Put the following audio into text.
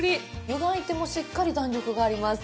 湯がいてもしっかり弾力があります。